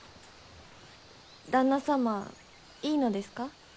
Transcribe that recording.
旦那様いいのですか？